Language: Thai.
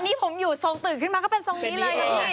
อันนี้ผมอยู่ส่องตึกขึ้นมาก็เป็นส่องนี้เลย